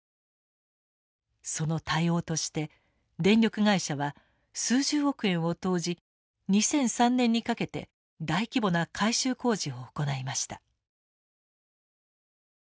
その対応として電力会社は数十億円を投じ２００３年にかけて大規模な改修工事を行いました。